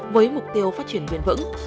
với mục tiêu phát triển nguyên vững